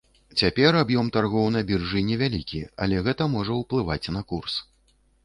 Цяпер аб'ём таргоў на біржы невялікі, але гэта можа ўплываць на курс.